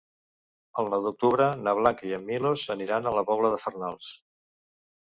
El nou d'octubre na Blanca i en Milos aniran a la Pobla de Farnals.